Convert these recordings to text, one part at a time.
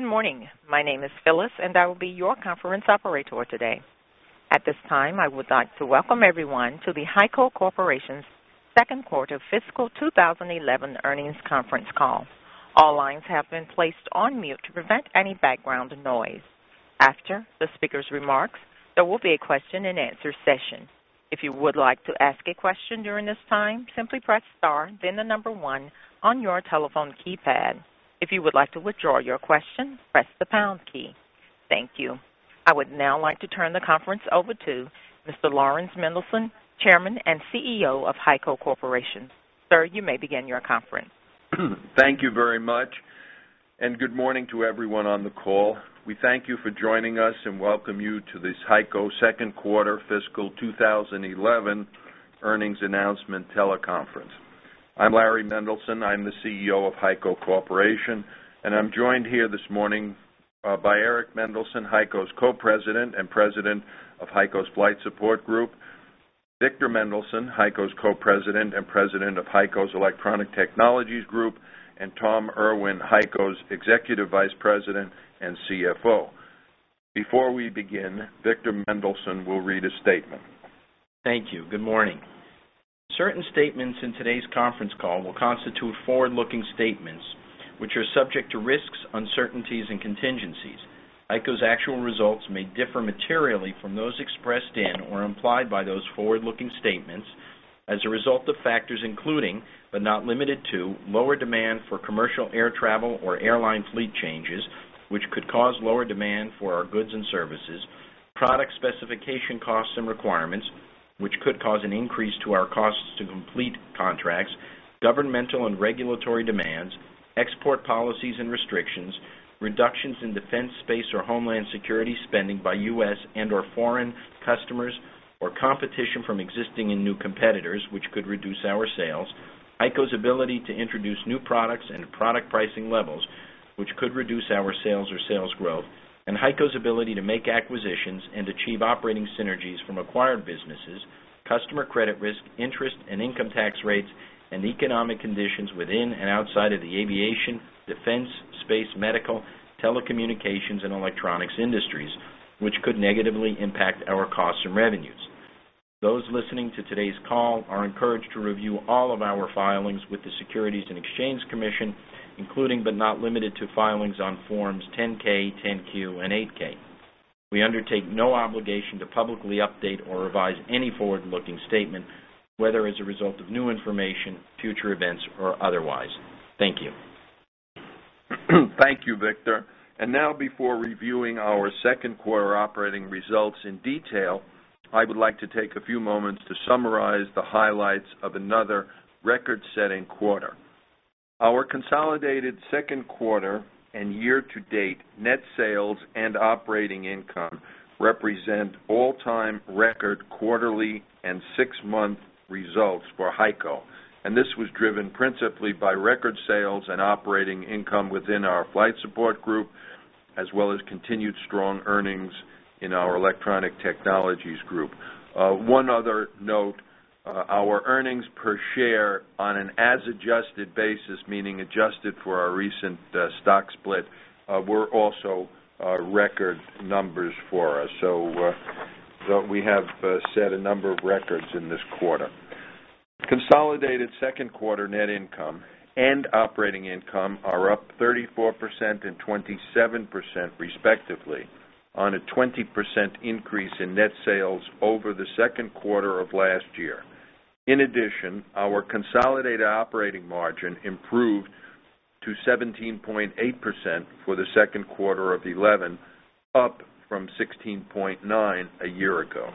Good morning. My name is Phyllis, and I will be your conference operator today. At this time, I would like to welcome everyone to the HEICO Corporation's Second Quarter Fiscal 2011 Earnings Conference Call. All lines have been placed on mute to prevent any background noise. After the speaker's remarks, there will be a question-and-answer session. If you would like to ask a question during this time, simply press Star, then the number one on your telephone keypad. If you would like to withdraw your question, press the pound key. Thank you. I would now like to turn the conference over to Mr. Laurans Mendelson, Chairman and CEO of HEICO Corporation. Sir, you may begin your conference. Thank you very much, and good morning to everyone on the call. We thank you for joining us and welcome you to this HEICO Second Quarter Fiscal 2011 Earnings Announcement Teleconference. I'm Laurans Mendelson. I'm the CEO of HEICO Corporation, and I'm joined here this morning by Eric Mendelson, HEICO's Co-President and President of HEICO's Flight Support Group, Victor Mendelson, HEICO's Co-President and President of HEICO's Electronic Technologies Group, and Thomas Irwin, HEICO's Executive Vice President and CFO. Before we begin, Victor Mendelson will read a statement. Thank you. Good morning. Certain statements in today's conference call will constitute forward-looking statements, which are subject to risks, uncertainties, and contingencies. HEICO's actual results may differ materially from those expressed in or implied by those forward-looking statements as a result of factors including, but not limited to, lower demand for commercial air travel or airline fleet changes, which could cause lower demand for our goods and services, product specification costs and requirements, which could cause an increase to our costs to complete contracts, governmental and regulatory demands, export policies and restrictions, reductions in defense space or homeland security spending by U.S., and/or foreighn custromers or competition from existing and new competitors which could reduce our sales. HEICO's ability to introduce new products and product pricing levels, which could reduce our sales or sales growth, and HEICO's ability to make acquisitions and achieve operating synergies from acquired businesses, customer credit risk, interest and income tax rates, and economic conditions within and outside of the aviation, defense space, medical, telecommunications, and electronics industries, which could negatively impact our costs and revenues. Those listening to today's call are encouraged to review all of our filings with the Securities and Exchange Commission, including but not limited to filings on forms 10-K, 10-Q, and 8-K. We undertake no obligation to publicly update or revise any forward-looking statement, whether as a result of new information, future events, or otherwise. Thank you. Thank you, Victor. Now, before reviewing our second quarter operating results in detail, I would like to take a few moments to summarize the highlights of another record-setting quarter. Our consolidated second quarter and year-to-date net sales and operating income represent all-time record quarterly and six-month results for HEICO, and this was driven principally by record sales and operating income within our Flight Support Group, as well as continued strong earnings in our Electronic Technologies Group. One other note: our earnings per share on an as-adjusted basis, meaning adjusted for our recent stock split, were also record numbers for us. Though we have set a number of records in this quarter, consolidated second quarter net income and operating income are up 34% and 27%, respectively, on a 20% increase in net sales over the second quarter of last year. In addition, our consolidated operating margin improved to 17.8% for the second quarter of 2011, up from 16.9% a year ago.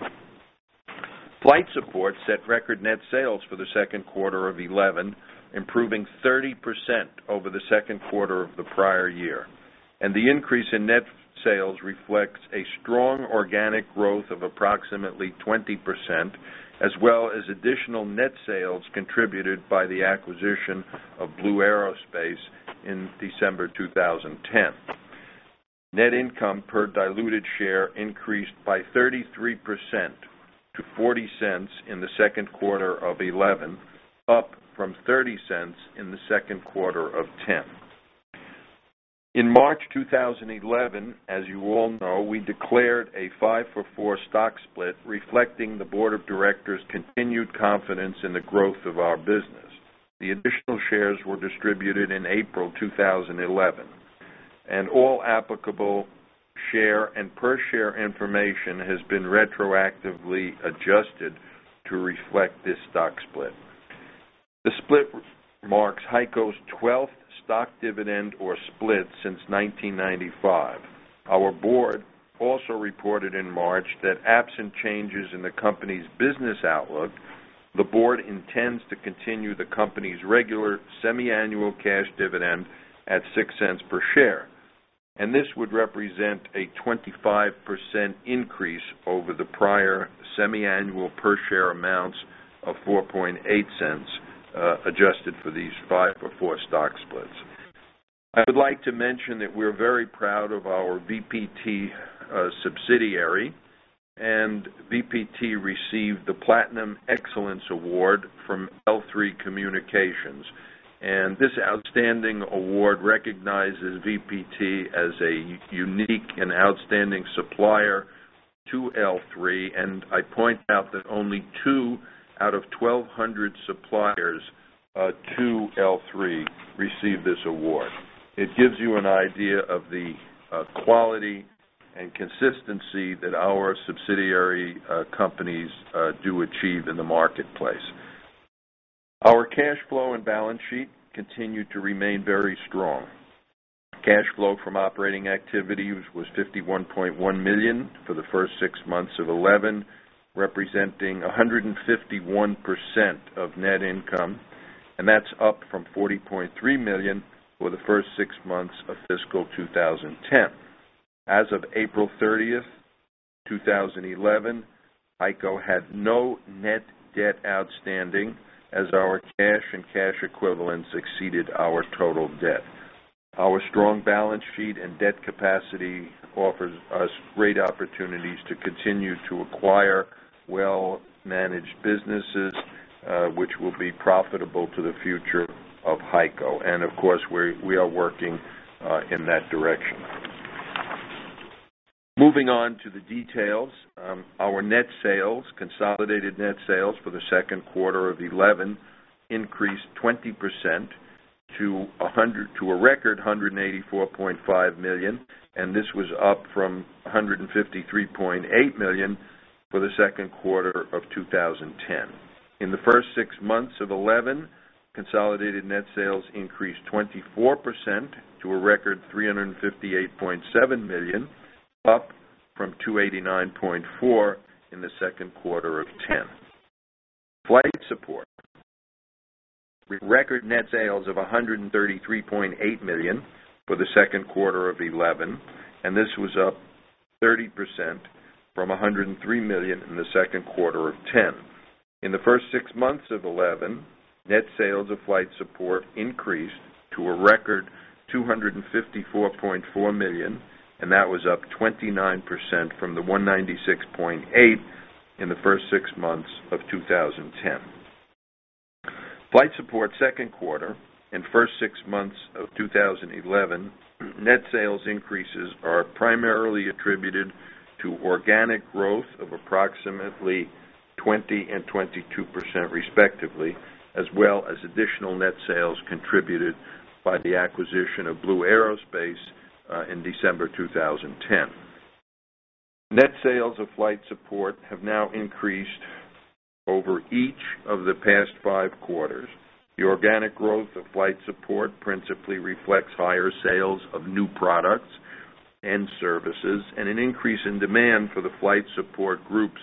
Flight Support set record net sales for the second quarter of 2011, improving 30% over the second quarter of the prior year, and the increase in net sales reflects a strong organic growth of approximately 20%, as well as additional net sales contributed by the acquisition of Blue Aerospace in December 2010. Net income per diluted share increased by 33% to $0.40 in the second quarter of 2011, up from $0.30 in the second quarter of 2010. In March 2011, as you all know, we declared a five-for-four stock split, reflecting the Board of Directors' continued confidence in the growth of our business. The initial shares were distributed in April 2011, and all applicable share and per-share information has been retroactively adjusted to reflect this stock split. The split marks HEICO's 12th stock dividend or split since 1995. Our Board also reported in March that, absent changes in the company's business outlook, the Board intends to continue the company's regular semiannual cash dividend at $0.06 per share, and this would represent a 25% increase over the prior semiannual per share amounts of $0.048, adjusted for these five-for-four stock splits. I would like to mention that we're very proud of our VPT subsidiary, and VPT received the Platinum Excellence Award from L3 Communications, and this outstanding award recognizes VPT as a unique and outstanding supplier to L3, and I point out that only two out of 1,200 suppliers to L3 receive this award. It gives you an idea of the quality and consistency that our subsidiary companies do achieve in the marketplace. Our cash flow and balance sheet continue to remain very strong. Cash flow from operating activities was $51.1 million for the first six months of 2011, representing 151% of net income, and that's up from $40.3 million for the first six months of fiscal 2010. As of April 30, 2011, HEICO had no net debt outstanding, as our cash and cash equivalents exceeded our total debt. Our strong balance sheet and debt capacity offer us great opportunities to continue to acquire well-managed businesses, which will be profitable to the future of HEICO, and of course, we are working in that direction. Moving on to the details, our net sales, consolidated net sales for the second quarter of 2011, increased 20% to a record $184.5 million, and this was up from $153.8 million for the second quarter of 2010. In the first six months of 2011, consolidated net sales increased 24% to a record $358.7 million, up from $289.4 million in the second quarter of 2010. Flight Support, record net sales of $133.8 million for the second quarter of 2011, and this was up 30% from $103 million in the second quarter of 2010. In the first six months of 2011, net sales of Flight Support increased to a record $254.4 million, and that was up 29% from the $196.8 million in the first six months of 2010. Flight Support second quarter and first six months of 2011, net sales increases are primarily attributed to organic growth of approximately 20% and 22%, respectively, as well as additional net sales contributed by the acquisition of Blue Aerospace in December 2010. Net sales of Flight Support have now increased over each of the past five quarters. The organic growth of Flight Support principally reflects higher sales of new products and services and an increase in demand for the Flight Support Group's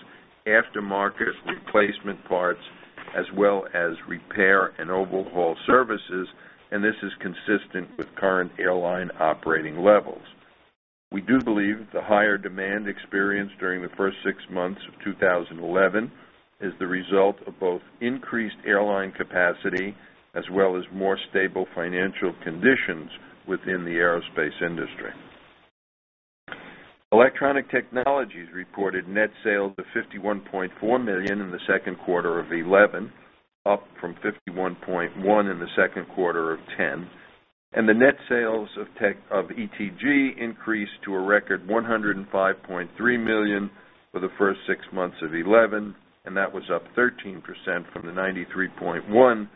aftermarket replacement parts, as well as repair and overhaul services, and this is consistent with current airline operating levels. We do believe the higher demand experienced during the first six months of 2011 is the result of both increased airline capacity, as well as more stable financial conditions within the aerospace industry. Electronic Technologies Group reported net sales of $51.4 million in the second quarter of 2011, up from $51.1 million in the second quarter of 2010, and the net sales of ETG increased to a record $105.3 million for the first six months of 2011, and that was up 13% from the $93.1 million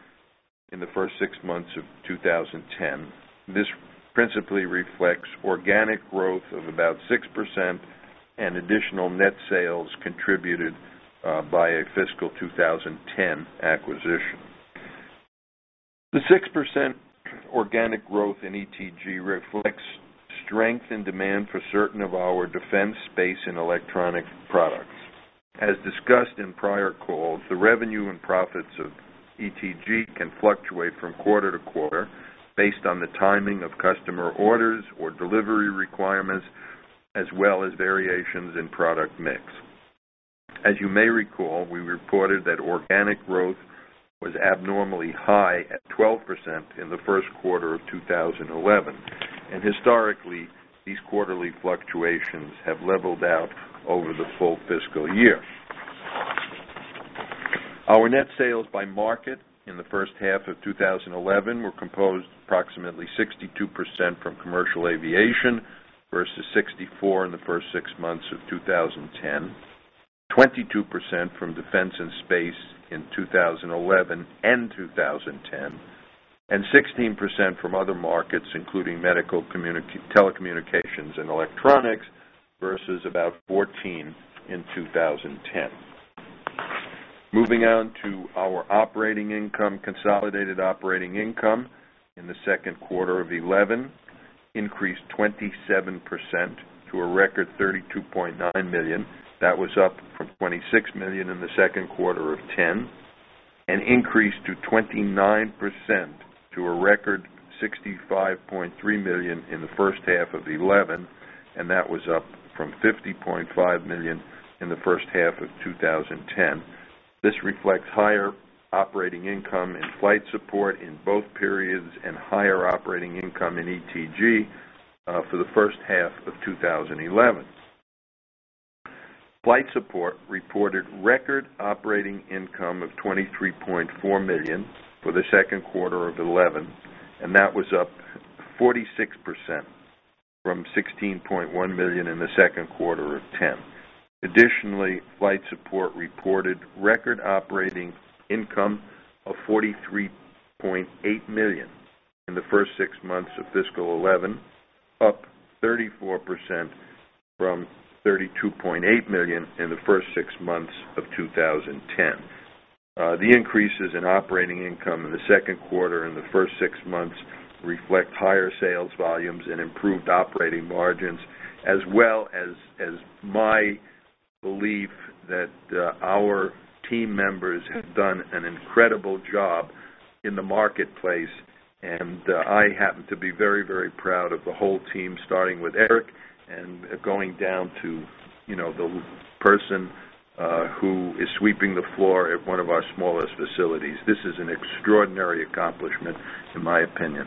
in the first six months of 2010. This principally reflects organic growth of about 6% and additional net sales contributed by a fiscal 2010 acquisition. The 6% organic growth in ETG reflects strength in demand for certain of our defense, space, and electronic products. As discussed in prior calls, the revenue and profits of ETG can fluctuate from quarter to quarter based on the timing of customer orders or delivery requirements, as well as variations in product mix. As you may recall, we reported that organic growth was abnormally high at 12% in the first quarter of 2011, and historically, these quarterly fluctuations have leveled out over the full fiscal year. Our net sales by market in the first half of 2011 were composed approximately 62% from commercial aviation versus 64% in the first six months of 2010, 22% from defense and space in 2011 and 2010, and 16% from other markets, including medical, telecommunications, and electronics versus about 14% in 2010. Moving on to our operating income, consolidated operating income in the second quarter of 2011 increased 27% to a record $32.9 million. That was up from $26 million in the second quarter of 2010 and increased 29% to a record $65.3 million in the first half of 2011, and that was up from $50.5 million in the first half of 2010. This reflects higher operating income in Flight Support in both periods and higher operating income in ETG for the first half of 2011. Flight Support reported record operating income of $23.4 million for the second quarter of 2011, and that was up 46% from $16.1 million in the second quarter of 2010. Additionally, Flight Support reported record operating income of $43.8 million in the first six months of fiscal 2011, up 34% from $32.8 million in the first six months of 2010. The increases in operating income in the second quarter and the first six months reflect higher sales volumes and improved operating margins, as well as my belief that our team members have done an incredible job in the marketplace. I happen to be very, very proud of the whole team, starting with Eric and going down to, you know, the person who is sweeping the floor at one of our smallest facilities. This is an extraordinary accomplishment, in my opinion.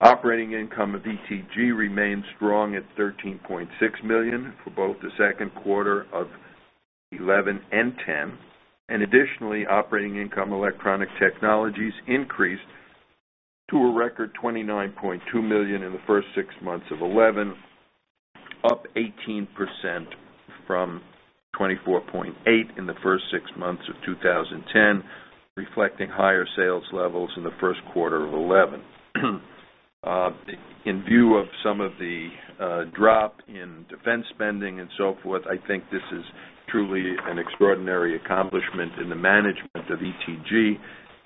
Operating income of ETG remains strong at $13.6 million for both the second quarter of 2011 and 2010, and additionally, operating income electronic technologies increased to a record $29.2 million in the first six months of 2011, up 18% from $24.8 million in the first six months of 2010, reflecting higher sales levels in the first quarter of 2011. In view of some of the drop in defense spending and so forth, I think this is truly an extraordinary accomplishment in the management of ETG,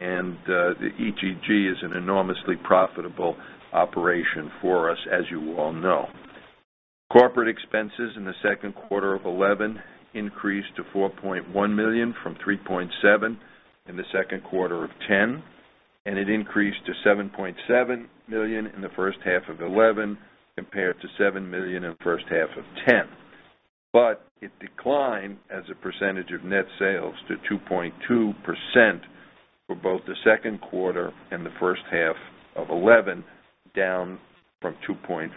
and the ETG is an enormously profitable operation for us, as you all know. Corporate expenses in the second quarter of 2011 increased to $4.1 million from $3.7 million in the second quarter of 2010, and it increased to $7.7 million in the first half of 2011 compared to $7 million in the first half of 2010. It declined as a percentage of net sales to 2.2% for both the second quarter and the first half of 2011, down from 2.4%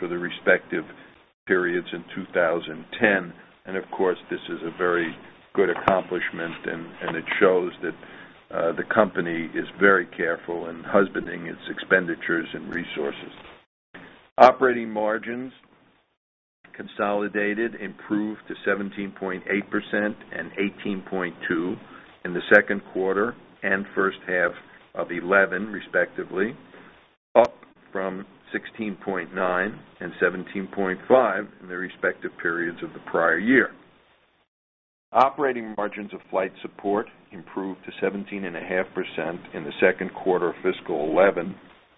for the respective periods in 2010, and of course, this is a very good accomplishment, and it shows that the company is very careful in husbanding its expenditures and resources. Operating margins consolidated improved to 17.8% and 18.2% in the second quarter and first half of 2011, respectively, up from 16.9% and 17.5% in the respective periods of the prior year. Operating margins of Flight Support improved to 17.5% in the second quarter of fiscal 2011,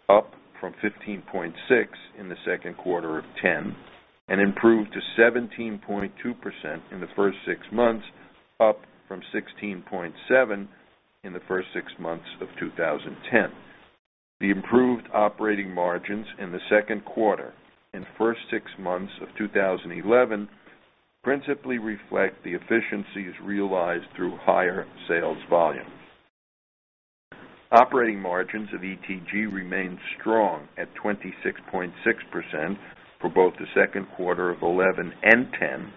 up from 15.6% in the second quarter of 2010, and improved to 17.2% in the first six months, up from 16.7% in the first six months of 2010. The improved operating margins in the second quarter and first six months of 2011 principally reflect the efficiencies realized through higher sales volumes. Operating margins of ETG remained strong at 26.6% for both the second quarter of 2011 and 2010,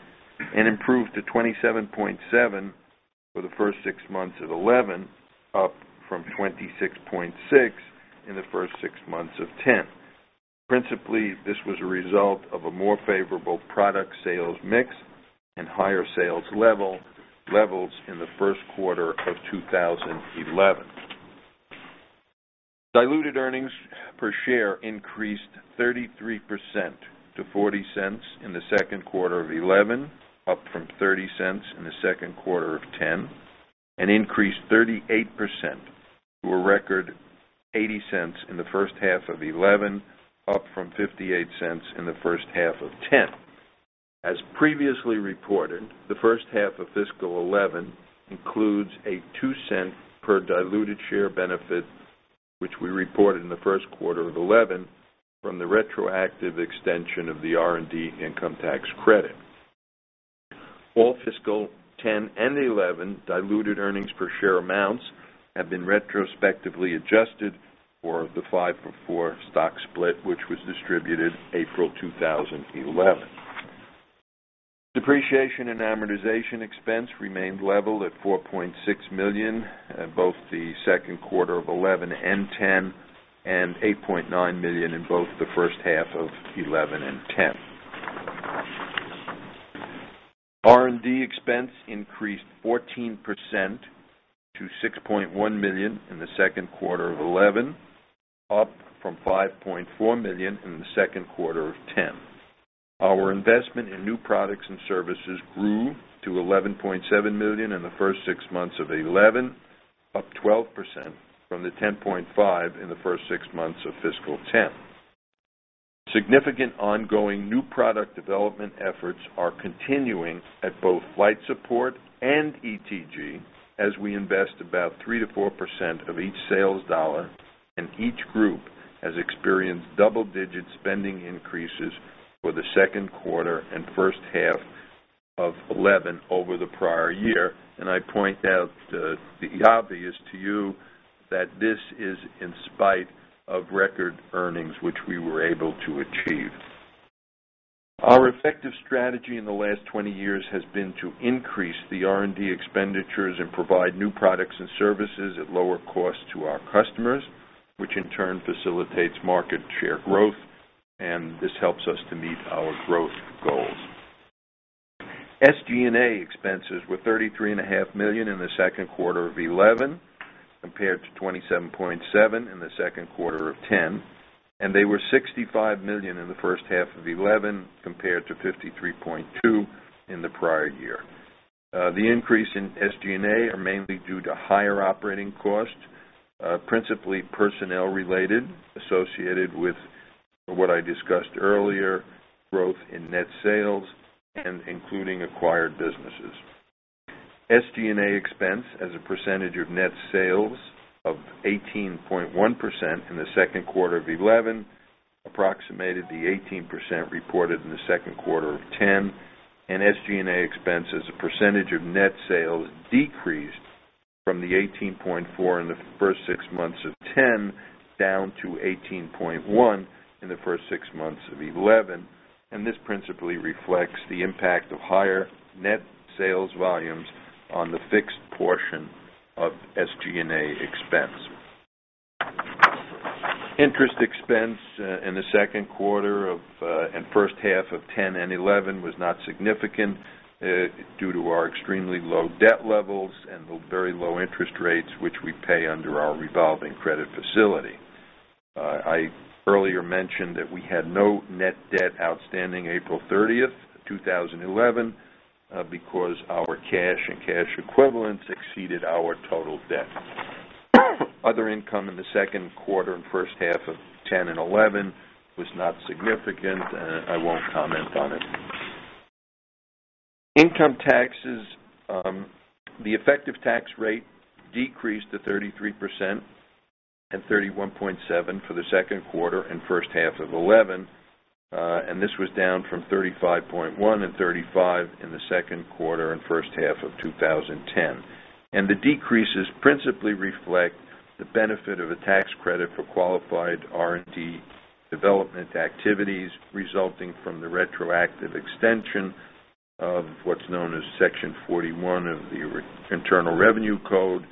and improved to 27.7% for the first six months of 2011, up from 26.6% in the first six months of 2010. Principally, this was a result of a more favorable product-sales mix and higher sales levels in the first quarter of 2011. Diluted earnings per share increased 33% to $0.40 in the second quarter of 2011, up from $0.30 in the second quarter of 2010, and increased 38% to a record $0.80 in the first half of 2011, up from $0.58 in the first half of 2010. As previously reported, the first half of fiscal 2011 includes a $0.02 per diluted share benefit, which we reported in the first quarter of 2011 from the retroactive extension of the R&D income tax credit. All fiscal 2010 and 2011 diluted earnings per share amounts have been retrospectively adjusted for the five-for-four stock split, which was distributed April 2011. Depreciation and amortization expense remained level at $4.6 million in both the second quarter of 2011 and 2010, and $8.9 million in both the first half of 2011 and 2010. R&D expense increased 14% to $6.1 million in the second quarter of 2011, up from $5.4 million in the second quarter of 2010. Our investment in new products and services grew to $11.7 million in the first six months of 2011, up 12% from the $10.5 million in the first six months of fiscal 2010. Significant ongoing new product development efforts are continuing at both Flight Support and ETG, as we invest about 3%-4% of each sales dollar, and each group has experienced double-digit spending increases for the second quarter and first half of 2011 over the prior year, and I point out the obvious to you that this is in spite of record earnings which we were able to achieve. Our effective strategy in the last 20 years has been to increase the R&D expenditures and provide new products and services at lower costs to our customers, which in turn facilitates market share growth, and this helps us to meet our growth goals. SG&A expenses were $33.5 million in the second quarter of 2011 compared to $27.7 million in the second quarter of 2010, and they were $65 million in the first half of 2011 compared to $53.2 million in the prior year. The increase in SG&A are mainly due to higher operating costs, principally personnel-related, associated with what I discussed earlier, growth in net sales and including acquired businesses. SG&A expense as a percentage of net sales of 18.1% in the second quarter of 2011 approximated the 18% reported in the second quarter of 2010, and SG&A expense as a percentage of net sales decreased from 18.4% in the first six months of 2010 down to 18.1% in the first six months of 2011. This principally reflects the impact of higher net sales volumes on the fixed portion of SG&A expense. Interest expense in the second quarter of and first half of 2010 and 2011 was not significant due to our extremely low debt levels and the very low interest rates which we pay under our revolving credit facility. I earlier mentioned that we had no net debt outstanding April 30, 2011, because our cash and cash equivalents exceeded our total debt. Other income in the second quarter and first half of 2010 and 2011 was not significant. I won't comment on it. Income taxes, the effective tax rate decreased to 33% and 31.7% for the second quarter and first half of 2011, and this was down from 35.1% and 35% in the second quarter and first half of 2010. The decreases principally reflect the benefit of a tax credit for qualified R&D development activities resulting from the retroactive extension of what's known as Section 41 of the Internal Revenue Code,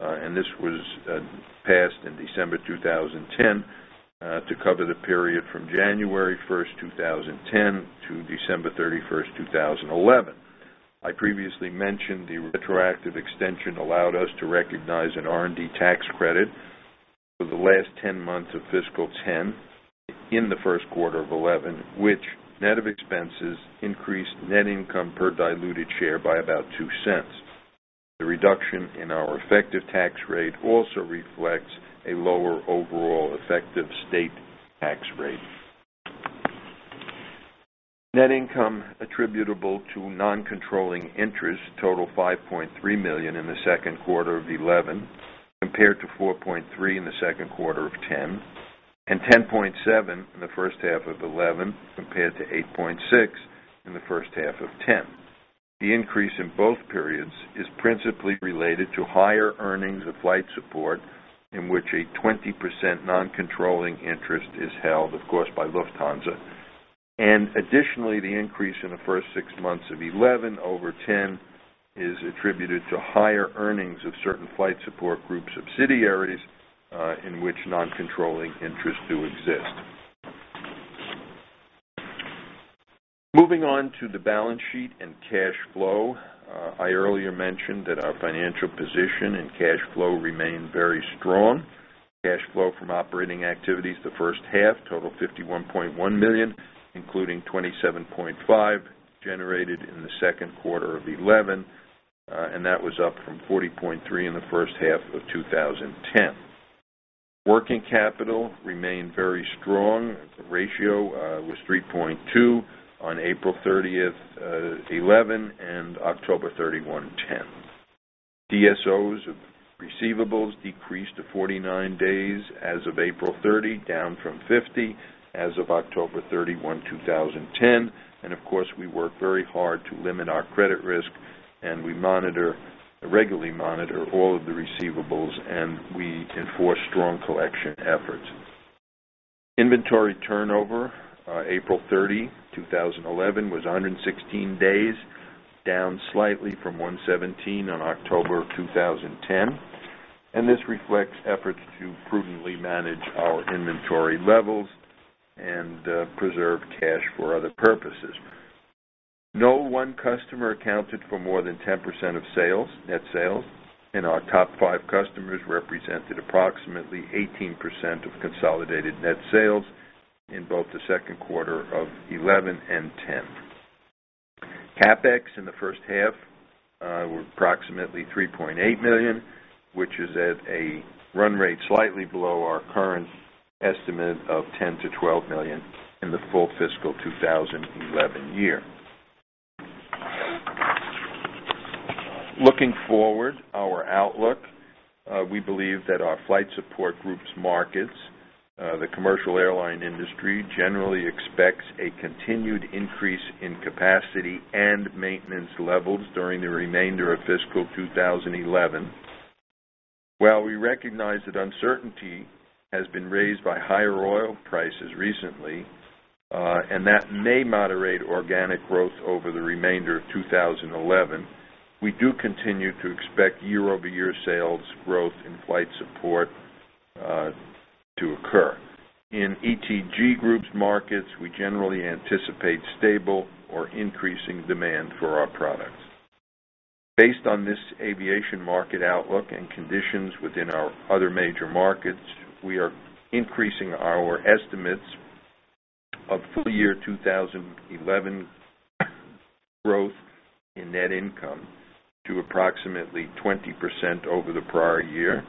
and this was passed in December 2010 to cover the period from January 1, 2010, to December 31, 2011. I previously mentioned the retroactive extension allowed us to recognize an R&D tax credit for the last 10 months of fiscal 2010 in the first quarter of 2011, which net of expenses increased net income per diluted share by about $0.02. The reduction in our effective tax rate also reflects a lower overall effective state tax rate. Net income attributable to non-controlling interest totaled $5.3 million in the second quarter of 2011 compared to $4.3 million in the second quarter of 2010, and $10.7 million in the first half of 2011 compared to $8.6 million in the first half of 2010. The increase in both periods is principally related to higher earnings of Flight Support, in which a 20% non-controlling interest is held, of course, by Lufthansa. Additionally, the increase in the first six months of 2011 over 2010 is attributed to higher earnings of certain Flight Support Group subsidiaries in which non-controlling interests do exist. Moving on to the balance sheet and cash flow, I earlier mentioned that our financial position and cash flow remained very strong. Cash flow from operating activities the first half totaled $51.1 million, including $27.5 million generated in the second quarter of 2011, and that was up from $40.3 million in the first half of 2010. Working capital remained very strong. The ratio was 3.2 on April 30, 2011, and October 31, 2010. DSOs of receivables decreased to 49 days as of April 30, down from 50 as of October 31, 2010, and of course, we worked very hard to limit our credit risk, and we regularly monitor all of the receivables, and we enforce strong collection efforts. Inventory turnover April 30, 2011, was 116 days, down slightly from 117 on October 2010, and this reflects efforts to prudently manage our inventory levels and preserve cash for other purposes. No one customer accounted for more than 10% of net sales, and our top five customers represented approximately 18% of consolidated net sales in both the second quarter of 2011 and 2010. CapEx in the first half were approximately $3.8 million, which is at a run rate slightly below our current estimate of $10 million-$12 million in the full fiscal 2011 year. Looking forward, our outlook, we believe that our Flight Support Group's markets, the commercial airline industry, generally expects a continued increase in capacity and maintenance levels during the remainder of fiscal 2011. While we recognize that uncertainty has been raised by higher oil prices recently, and that may moderate organic growth over the remainder of 2011, we do continue to expect year-over-year sales growth in Flight Support to occur. In ETG group's markets, we generally anticipate stable or increasing demand for our products. Based on this aviation market outlook and conditions within our other major markets, we are increasing our estimates of full-year 2011 growth in net income to approximately 20% over the prior year,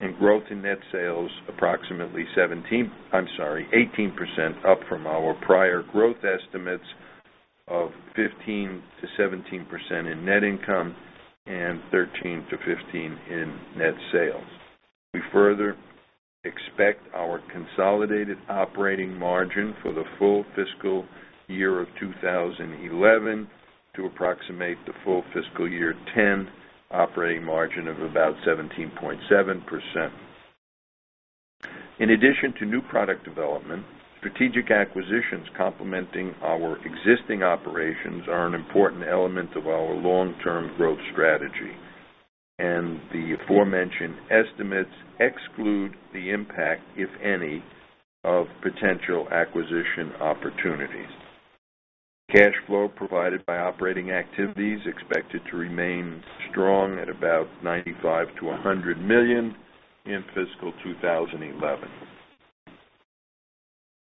and growth in net sales approximately 18%, up from our prior growth estimates of 15%-17% in net income and 13%-15% in net sales. We further expect our consolidated operating margin for the full fiscal year of 2011 to approximate the full fiscal year 2010 operating margin of about 17.7%. In addition to new product development, strategic acquisitions complementing our existing operations are an important element of our long-term growth strategy, and the aforementioned estimates exclude the impact, if any, of potential acquisition opportunities. Cash flow provided by operating activities is expected to remain strong at about $95 million-$100 million in fiscal 2011.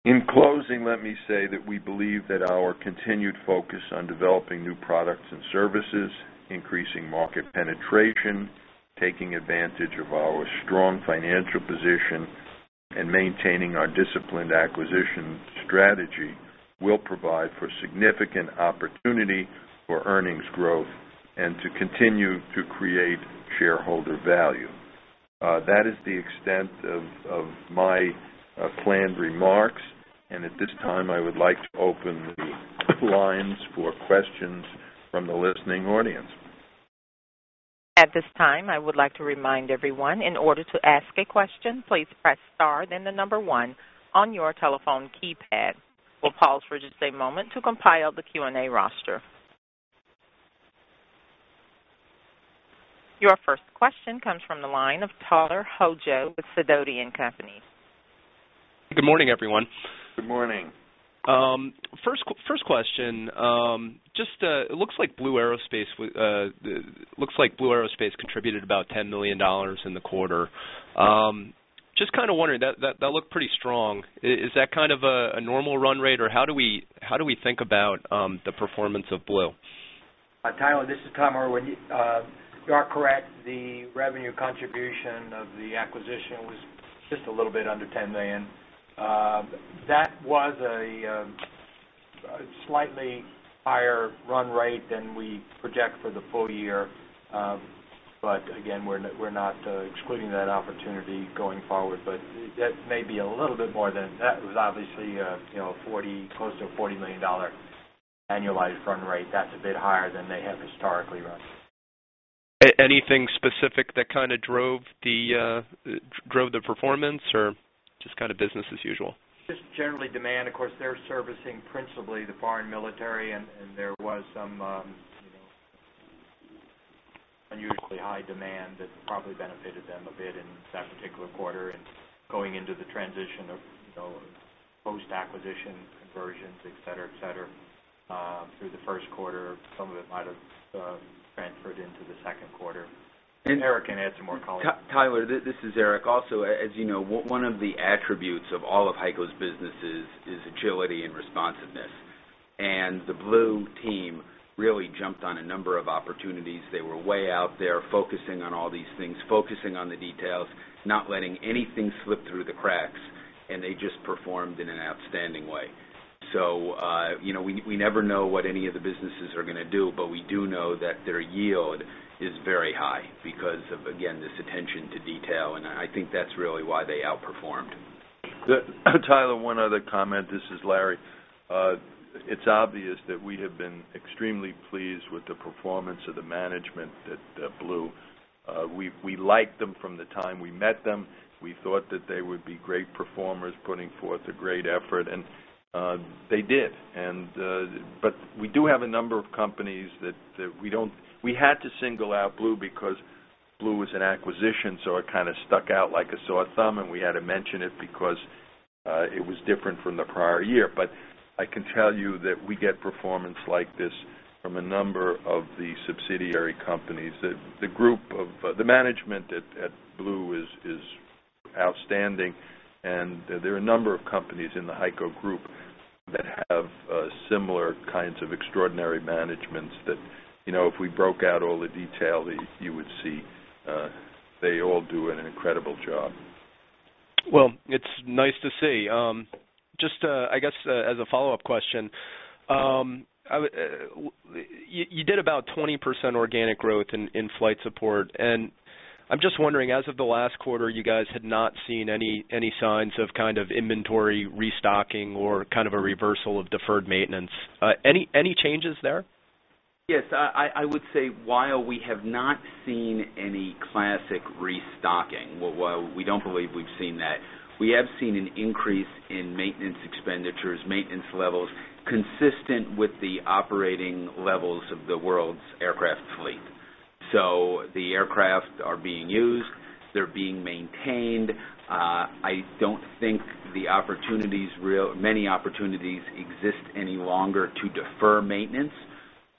In closing, let me say that we believe that our continued focus on developing new products and services, increasing market penetration, taking advantage of our strong financial position, and maintaining our disciplined acquisition strategy will provide for significant opportunity for earnings growth and to continue to create shareholder value. That is the extent of my planned remarks, and at this time, I would like to open the lines for questions from the listening audience. At this time, I would like to remind everyone, in order to ask a question, please press star then the number one on your telephone keypad. We'll pause for just a moment to compile the Q&A roster. Your first question comes from the line of Tyler Hojo with Sadodian Companies. Good morning, everyone. Good morning. First question, just it looks like Blue Aerospace contributed about $10 million in the quarter. Just kind of wondering, that looked pretty strong. Is that kind of a normal run rate, or how do we think about the performance of Blue? Tyler, this is Tom Irwin. You are correct, the revenue contribution of the acquisition was just a little bit under $10 million. That was a slightly higher run rate than we project for the full year, but again, we're not excluding that opportunity going forward. That may be a little bit more than that. It was obviously close to a $40 million annualized run rate. That's a bit higher than they have historically run. Anything specific that kind of drove the performance, or just kind of business as usual? Just generally demand. Of course, they're servicing principally the foreign military, and there was some unusually high demand that probably benefited them a bit in that particular quarter. Going into the transition of post-acquisition conversions, etc, etc, through the first quarter, some of it might have transferred into the second quarter. Eric can add some more comments. Tyler, this is Eric. As you know, one of the attributes of all of HEICO's businesses is agility and responsiveness, and the Blue team really jumped on a number of opportunities. They were way out there focusing on all these things, focusing on the details, not letting anything slip through the cracks, and they just performed in an outstanding way. We never know what any of the businesses are going to do, but we do know that their yield is very high because of, again, this attention to detail, and I think that's really why they outperformed. Tyler, one other comment. This is Larry. It's obvious that we have been extremely pleased with the performance of the management at Blue. We liked them from the time we met them. We thought that they would be great performers putting forth a great effort, and they did. We do have a number of companies that we don't, we had to single out Blue because Blue was an acquisition, so it kind of stuck out like a sore thumb, and we had to mention it because it was different from the prior year. I can tell you that we get performance like this from a number of the subsidiary companies. The group of the management at Blue is outstanding, and there are a number of companies in the HEICO group that have similar kinds of extraordinary managements that, you know, if we broke out all the detail that you would see, they all do an incredible job. It's nice to see. Just, I guess, as a follow-up question, you did about 20% organic growth in Flight Support, and I'm just wondering, as of the last quarter, you guys had not seen any signs of kind of inventory restocking or kind of a reversal of deferred maintenance. Any changes there? Yes, I would say while we have not seen any classic restocking, we don't believe we've seen that. We have seen an increase in maintenance expenditures, maintenance levels consistent with the operating levels of the world's aircraft fleet. The aircraft are being used, they're being maintained. I don't think the opportunities, real, many opportunities exist any longer to defer maintenance,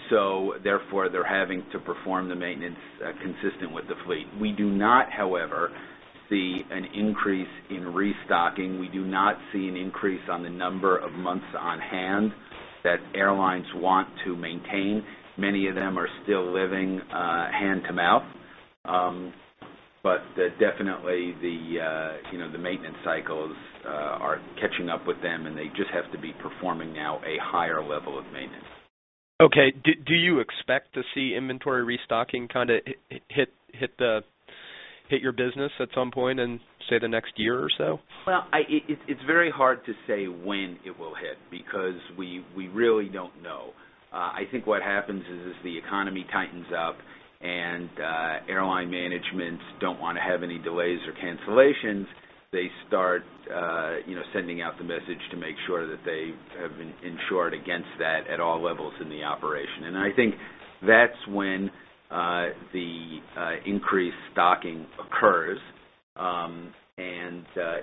so therefore they're having to perform the maintenance consistent with the fleet. We do not, however, see an increase in restocking. We do not see an increase on the number of months on hand that airlines want to maintain. Many of them are still living hand to mouth, but definitely the maintenance cycles are catching up with them, and they just have to be performing now a higher level of maintenance. Okay. Do you expect to see inventory restocking kind of hit your business at some point in, say, the next year or so? It's very hard to say when it will hit because we really don't know. I think what happens is the economy tightens up, and airline managements don't want to have any delays or cancellations. They start sending out the message to make sure that they have insured against that at all levels in the operation, and I think that's when the increased stocking occurs.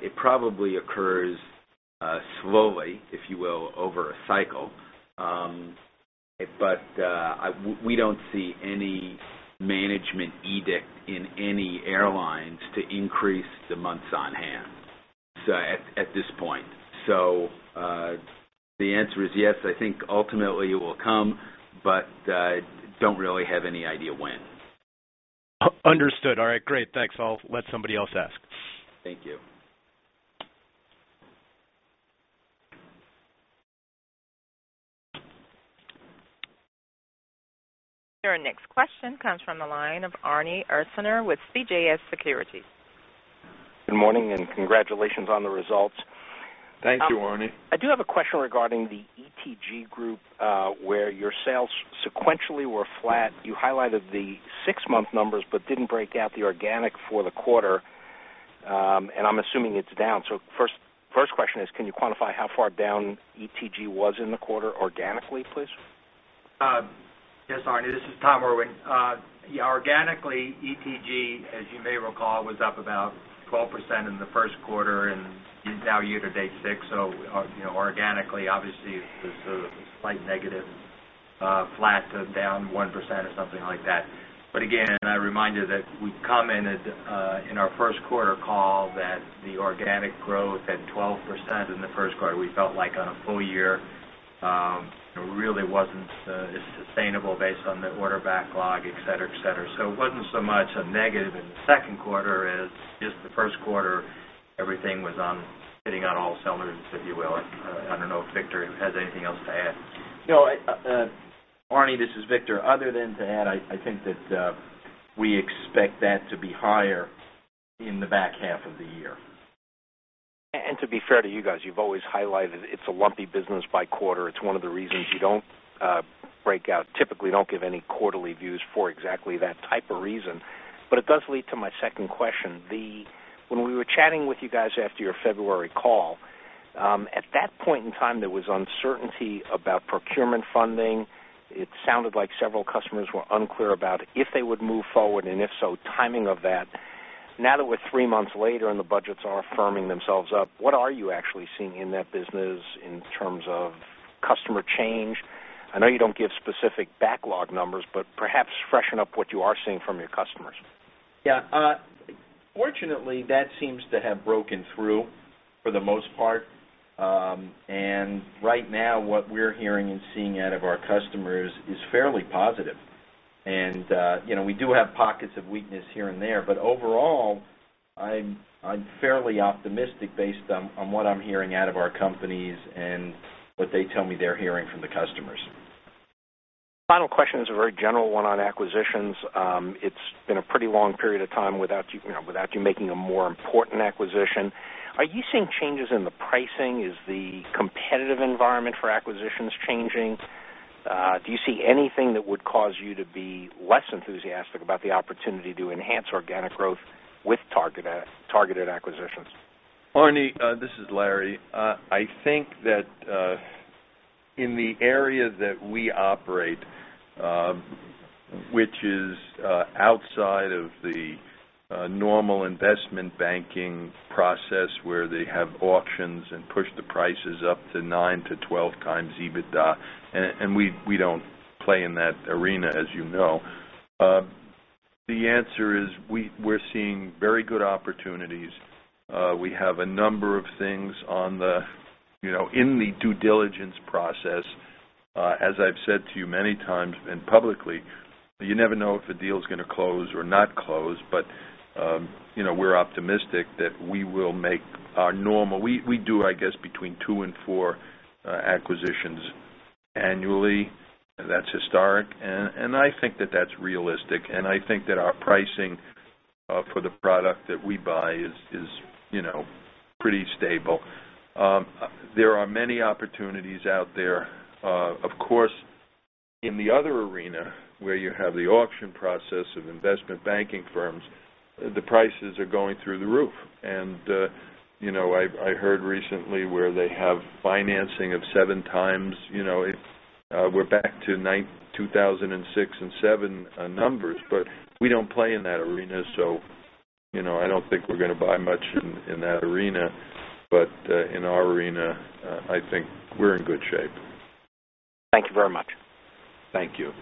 It probably occurs slowly, if you will, over a cycle, but we don't see any management edict in any airlines to increase the months on hand at this point. The answer is yes. I think ultimately it will come, but don't really have any idea when. Understood. All right. Great. Thanks. I'll let somebody else ask. Thank you. Our next question comes from the line of Arnie Ursaner with CJS Securities. Good morning, and congratulations on the results. Thank you, Arnie. I do have a question regarding the ETG group, where your sales sequentially were flat. You highlighted the six-month numbers but didn't break out the organic for the quarter, and I'm assuming it's down. First question is, can you quantify how far down ETG was in the quarter organically, please? Yes, Arnie. This is Tom Irwin. Yeah, organically, ETG, as you may recall, was up about 12% in the first quarter, and now year to date six, so you know, organically, obviously, the slight negative flat to down 1% or something like that. I remind you that we commented in our first quarter call that the organic growth at 12% in the first quarter, we felt like on a full year, it really wasn't sustainable based on the order backlog, etc, etc. It wasn't so much a negative in the second quarter as just the first quarter. Everything was sitting on all cylinders, if you will. I don't know if Victor has anything else to add. No, Arnie, this is Victor. Other than to add, I think that we expect that to be higher in the back half of the year. To be fair to you guys, you've always highlighted it's a lumpy business by quarter. It's one of the reasons you don't break out, typically don't give any quarterly views for exactly that type of reason. It does lead to my second question. When we were chatting with you guys after your February call, at that point in time, there was uncertainty about procurement funding. It sounded like several customers were unclear about if they would move forward, and if so, timing of that. Now that we're three months later and the budgets are firming themselves up, what are you actually seeing in that business in terms of customer change? I know you don't give specific backlog numbers, but perhaps freshen up what you are seeing from your customers. Fortunately, that seems to have broken through for the most part, and right now, what we're hearing and seeing out of our customers is fairly positive. We do have pockets of weakness here and there, but overall, I'm fairly optimistic based on what I'm hearing out of our companies and what they tell me they're hearing from the customers. Final question is a very general one on acquisitions. It's been a pretty long period of time without you making a more important acquisition. Are you seeing changes in the pricing? Is the competitive environment for acquisitions changing? Do you see anything that would cause you to be less enthusiastic about the opportunity to enhance organic growth with targeted acquisitions? Arnie, this is Larry. I think that in the area that we operate, which is outside of the normal investment banking process where they have auctions and push the prices up to 9x-12x EBITDA, and we don't play in that arena, as you know, the answer is we're seeing very good opportunities. We have a number of things in the due diligence process. As I've said to you many times and publicly, you never know if a deal is going to close or not close, but we're optimistic that we will make our normal, we do, I guess, between two and four acquisitions annually. That's historic, and I think that that's realistic, and I think that our pricing for the product that we buy is pretty stable. There are many opportunities out there. Of course, in the other arena, where you have the auction process of investment banking firms, the prices are going through the roof, and I heard recently where they have financing of 7x. We're back to 2006 and 2007 numbers, but we don't play in that arena, so I don't think we're going to buy much in that arena, but in our arena, I think we're in good shape. Thank you very much. Thank you.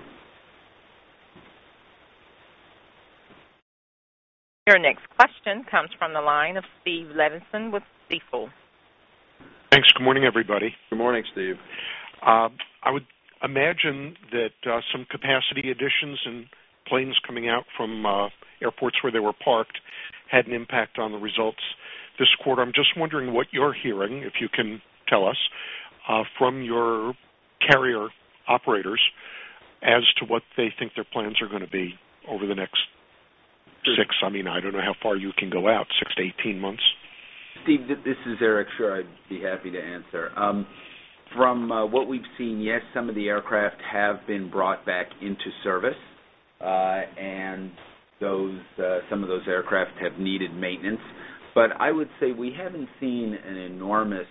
Our next question comes from the line of Steve Levenson with Stifel. Thanks. Good morning, everybody. Good morning, Steve. I would imagine that some capacity additions and planes coming out from airports where they were parked had an impact on the results this quarter. I'm just wondering what you're hearing, if you can tell us, from your carrier operators as to what they think their plans are going to be over the next six, I mean, I don't know how far you can go out, 6-18 months. Steve, this is Eric. Sure, I'd be happy to answer. From what we've seen, yes, some of the aircraft have been brought back into service, and some of those aircraft have needed maintenance. I would say we haven't seen an enormous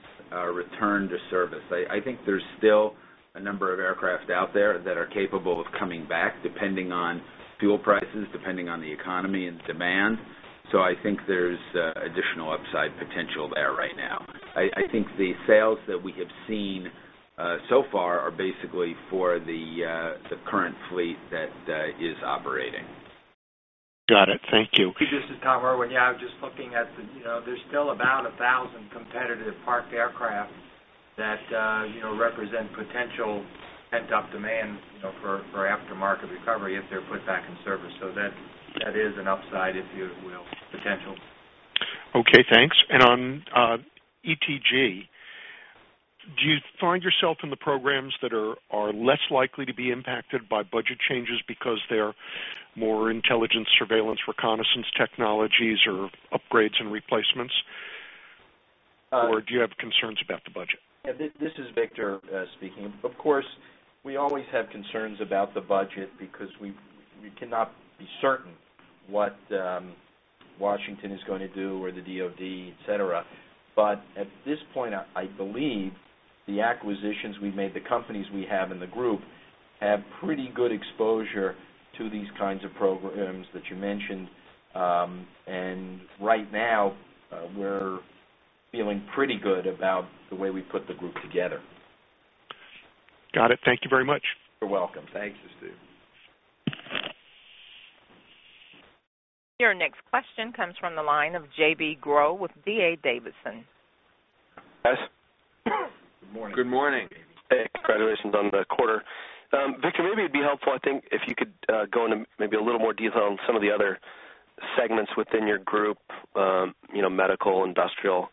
return to service. I think there's still a number of aircraft out there that are capable of coming back, depending on fuel prices, depending on the economy and demand. I think there's additional upside potential there right now. I think the sales that we have seen so far are basically for the current fleet that is operating. Got it. Thank you. This is Tom Irwin. I was just looking at the, you know, there's still about 1,000 competitive parked aircraft that, you know, represent potential heads-up demand, you know, for aftermarket recovery if they're put back in service. That is an upside, if you will, potential. Okay. Thanks. On ETG, do you find yourself in the programs that are less likely to be impacted by budget changes because they're more intelligence, surveillance, reconnaissance technologies or upgrades and replacements, or do you have concerns about the budget? This is Victor speaking. Of course, we always have concerns about the budget because we cannot be certain what Washington is going to do or the DOD, etc, but at this point, I believe the acquisitions we've made, the companies we have in the group have pretty good exposure to these kinds of programs that you mentioned, and right now, we're feeling pretty good about the way we put the group together. Got it. Thank you very much. You're welcome. Thanks, Steve. Your next question comes from the line of JB Groh with D.A. Davidson. Good morning, guys. Good morning. Good morning. Congratulations on the quarter. Victor, maybe it'd be helpful, I think, if you could go into maybe a little more detail on some of the other segments within your group, you know, medical, industrial,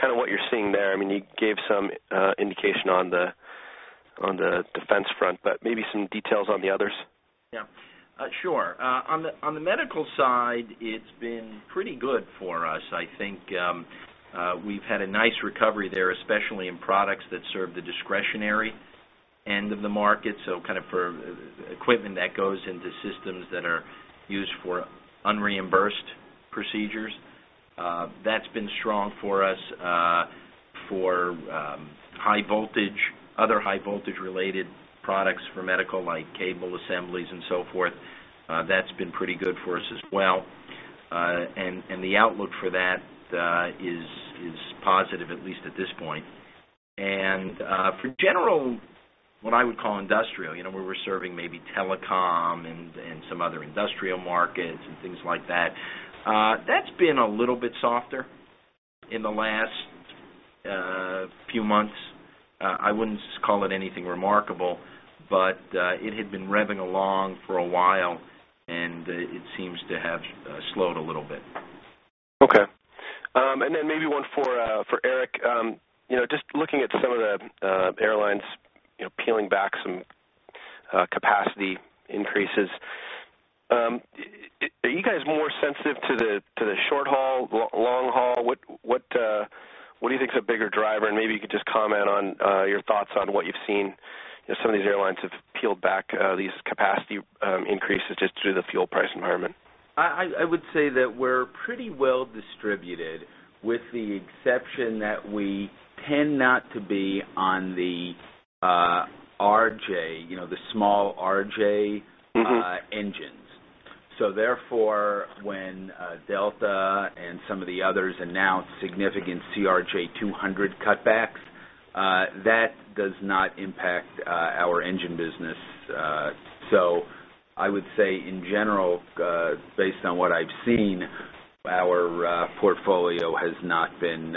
kind of what you're seeing there. I mean, you gave some indication on the defense front, but maybe some details on the others? Yeah. Sure. On the medical side, it's been pretty good for us, I think. We've had a nice recovery there, especially in products that serve the discretionary end of the market, kind of for equipment that goes into systems that are used for unreimbursed procedures. That's been strong for us. For high voltage, other high voltage-related products for medical, like cable assemblies and so forth, that's been pretty good for us as well, and the outlook for that is positive, at least at this point. For general, what I would call industrial, you know, where we're serving maybe telecom and some other industrial markets and things like that, that's been a little bit softer in the last few months. I wouldn't call it anything remarkable, but it had been revving along for a while, and it seems to have slowed a little bit. Okay. Maybe one for Eric. Just looking at some of the airlines, peeling back some capacity increases, are you guys more sensitive to the short haul, long haul? What do you think is a bigger driver? Maybe you could just comment on your thoughts on what you've seen. Some of these airlines have peeled back these capacity increases just through the fuel price environment. I would say that we're pretty well-distributed, with the exception that we tend not to be on the RJ, you know, the small RJ engines. Therefore, when Delta and some of the others announce significant CRJ 200 cutbacks, that does not impact our engine business. I would say, in general, based on what I've seen, our portfolio has not been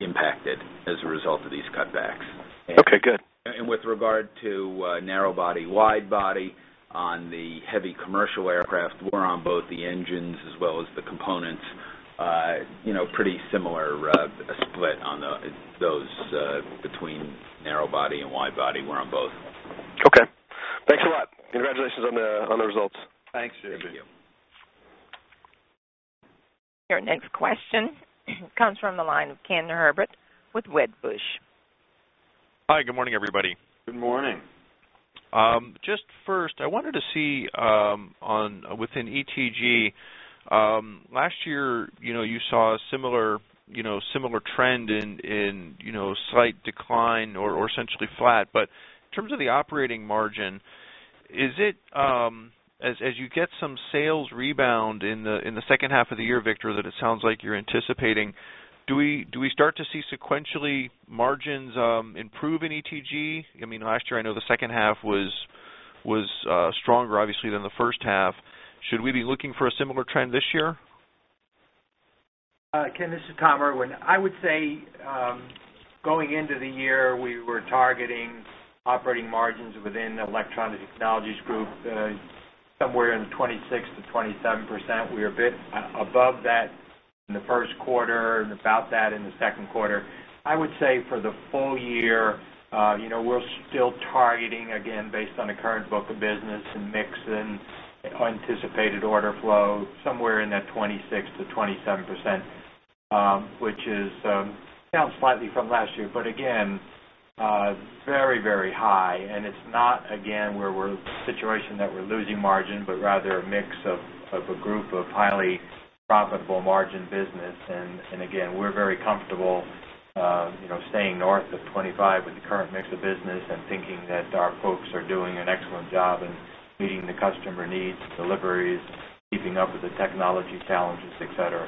impacted as a result of these cutbacks. Okay. Good. With regard to narrow body and wide body on the heavy commercial aircraft, we're on both the engines as well as the components. There's a pretty similar split on those between narrow body and wide body. We're on both. Okay, thanks a lot. Congratulations on the results. Thanks, Steve. Thank you. Your next question comes from the line of Ken Herbert with Wedbush. Hi. Good morning, everybody. Good morning. First, I wanted to see within ETG, last year you saw a similar trend in slight decline or essentially flat, but in terms of the operating margin, as you get some sales rebound in the second half of the year, Victor, that it sounds like you're anticipating, do we start to see sequentially margins improve in ETG? I mean, last year, I know the second half was stronger, obviously, than the first half. Should we be looking for a similar trend this year? Again, this is Tom Irwin. I would say going into the year, we were targeting operating margins within Electronic Technologies Group somewhere in 26%-27%. We were a bit above that in the first quarter and about that in the second quarter. I would say for the full year, we're still targeting, again, based on the current book of business and mix and anticipated order flow, somewhere in that 26%-27%, which sounds slightly from last year, but again, very, very high, and it's not where we're in a situation that we're losing margin, but rather a mix of a group of highly profitable margin business. We're very comfortable staying north of 25% with the current mix of business and thinking that our folks are doing an excellent job in meeting the customer needs, deliveries, keeping up with the technology challenges, et cetera.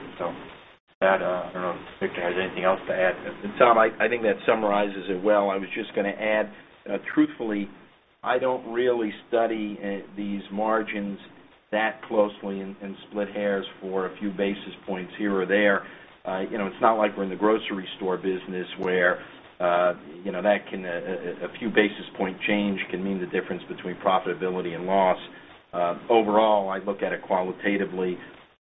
I don't know if Victor has anything else to add. Tom, I think that summarizes it well. I was just going to add, truthfully, I don't really study these margins that closely and split hairs for a few basis points here or there. It's not like we're in the grocery store business where a few basis point change can mean the difference between profitability and loss. Overall, I look at it qualitatively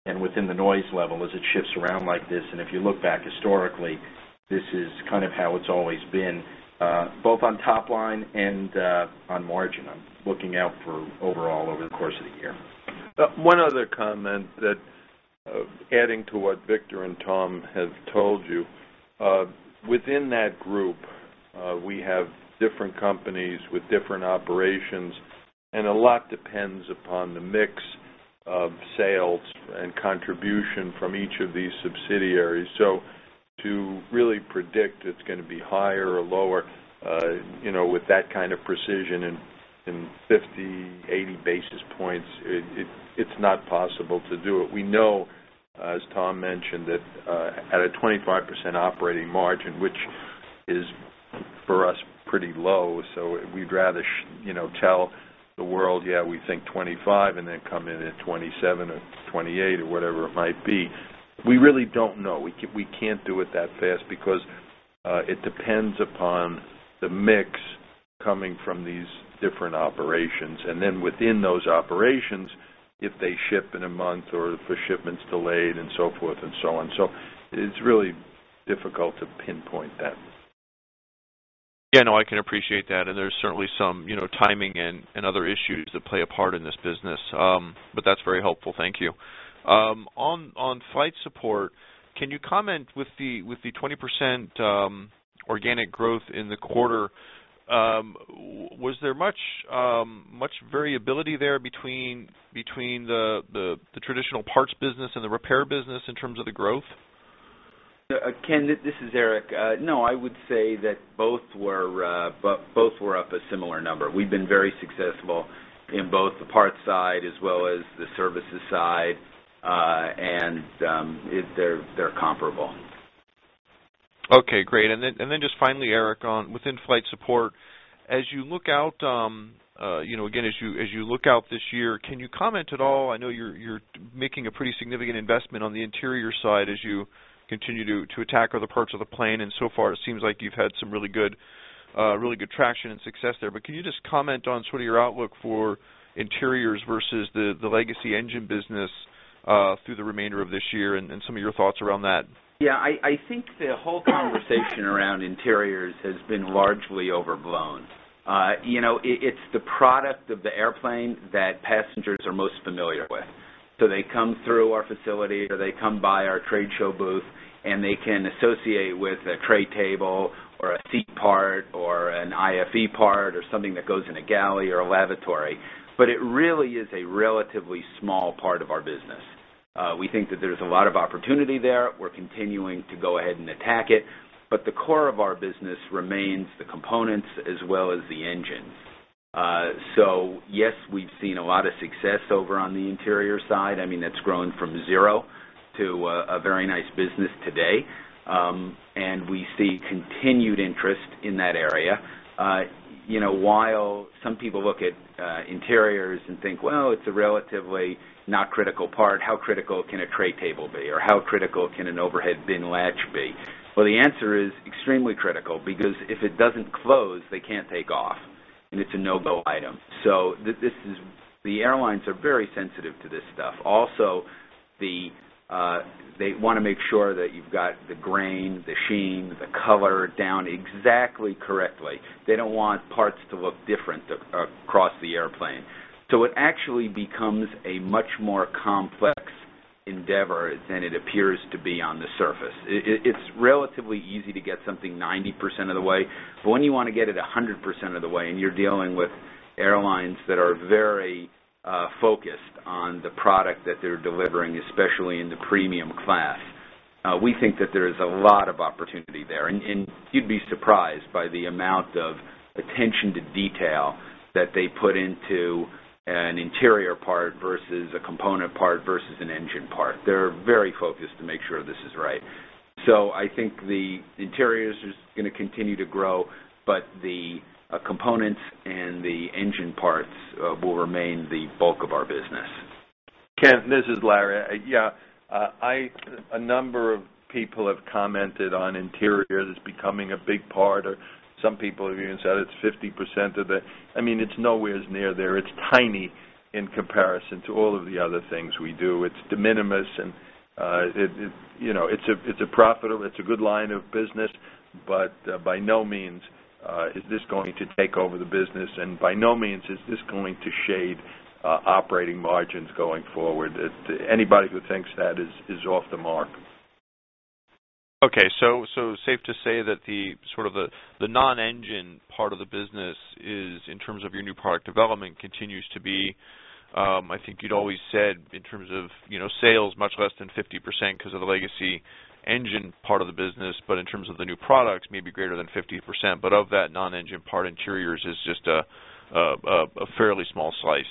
and within the noise level as it shifts around like this, and if you look back historically, this is kind of how it's always been, both on top line and on margin. I'm looking out for overall over the course of the year. One other comment that, adding to what Victor and Tom have told you, within that group, we have different companies with different operations, and a lot depends upon the mix of sales and contribution from each of these subsidiaries. To really predict if it's going to be higher or lower, you know, with that kind of precision and 50 basis points, 80 basis points, it's not possible to do it. We know, as Thomas Irwin mentioned, that at a 25% operating margin, which is for us pretty low, we'd rather, you know, tell the world, yeah, we think 25% and then come in at 27% or 28% or whatever it might be. We really don't know. We can't do it that fast because it depends upon the mix coming from these different operations, and then within those operations, if they ship in a month or if a shipment's delayed and so forth and so on. It's really difficult to pinpoint that. I can appreciate that, and there's certainly some timing and other issues that play a part in this business, but that's very helpful. Thank you. On flight support, can you comment with the 20% organic growth in the quarter, was there much variability there between the traditional parts business and the repair business in terms of the growth? Ken, this is Eric. No, I would say that both were up a similar number. We've been very successful in both the parts side as well as the services side, and they're comparable. Okay. Great. Finally, Eric, within Flight Support, as you look out, as you look out this year, can you comment at all? I know you're making a pretty significant investment on the interior side as you continue to attack other parts of the plane, and so far, it seems like you've had some really good traction and success there. Can you just comment on your outlook for interiors versus the legacy engine business through the remainder of this year and some of your thoughts around that? Yeah, I think the whole conversation around interiors has been largely overblown. You know, it's the product of the airplane that passengers are most familiar with. They come through our facility or they come by our trade show booth, and they can associate with a tray table or a seat part or an IFE part or something that goes in a galley or a lavatory, but it really is a relatively small part of our business. We think that there's a lot of opportunity there. We're continuing to go ahead and attack it, but the core of our business remains the components as well as the engine. Yes, we've seen a lot of success over on the interior side. I mean, that's grown from zero to a very nice business today, and we see continued interest in that area. Some people look at interiors and think, it's a relatively not critical part, how critical can a tray table be or how critical can an overhead bin latch be? The answer is extremely critical because if it doesn't close, they can't take off, and it's a no-go item. The airlines are very sensitive to this stuff. Also, they want to make sure that you've got the grain, the sheen, the color down exactly correctly. They don't want parts to look different across the airplane. It actually becomes a much more complex endeavor than it appears to be on the surface. It's relatively easy to get something 90% of the way, but when you want to get it 100% of the way and you're dealing with airlines that are very focused on the product that they're delivering, especially in the premium class, we think that there is a lot of opportunity there, and you'd be surprised by the amount of attention to detail that they put into an interior part versus a component part versus an engine part. They're very focused to make sure this is right. I think the interiors are going to continue to grow, but the components and the engine parts will remain the bulk of our business. Ken, this is Larry. Yeah, a number of people have commented on interiors as becoming a big part, or some people have even said it's 50% of the, I mean, it's nowhere near there. It's tiny in comparison to all of the other things we do. It's de minimis, and you know, it's a profitable, it's a good line of business, but by no means is this going to take over the business, and by no means is this going to shade operating margins going forward. Anybody who thinks that is off the mark. Okay. Safe to say that the sort of the non-engine part of the business is, in terms of your new product development, continues to be, I think you'd always said, in terms of sales, much less than 50% because of the legacy engine part of the business, but in terms of the new products, maybe greater than 50%. Of that non-engine part, interiors is just a fairly small slice.